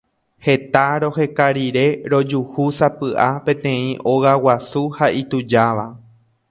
Heta roheka rire rojuhúsapy'a peteĩ óga guasu ha itujáva.